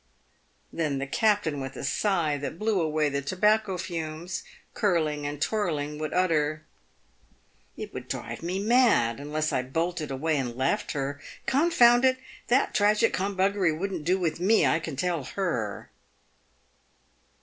Then the captain, with a sigh that blew away the tobacco fumes curling and twirling, would utter, " It would drive me mad, unless I bolted away and left her. Confound it ! that tragic humbuggery wouldn't do with me, I can tell her."